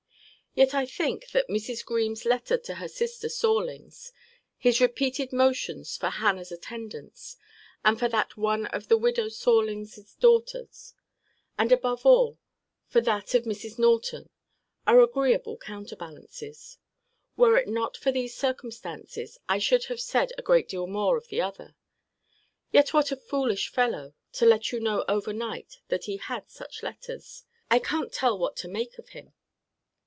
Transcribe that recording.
Yet I think that Mrs. Greme's letter to her sister Sorlings: his repeated motions for Hannah's attendance; and for that of one of the widow Sorlings's daughters; and, above all, for that of Mrs. Norton; are agreeable counterbalances. Were it not for these circumstances, I should have said a great deal more of the other. Yet what a foolish fellow, to let you know over night that he had such letters! I can't tell what to make of him.